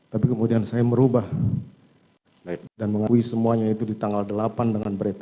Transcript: tapi kemudian saya merubah dan mengakui semuanya itu di tanggal delapan dengan berita